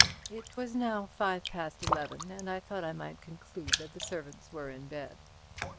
It was now five past eleven, and I thought I might conclude that the servants were in bed.